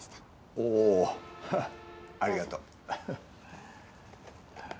おおありがとう。どうぞ。